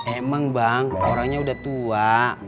emang bang orangnya udah tua